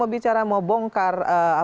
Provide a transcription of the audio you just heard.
bicara mau bongkar